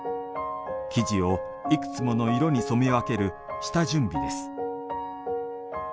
生地をいくつもの色に染め分ける下準備です。